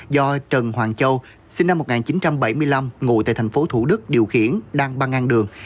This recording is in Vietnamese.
do trần hoàng châu sinh năm một nghìn chín trăm bảy mươi năm ngụ tại tp thủ đức điều khiển đang băng an đường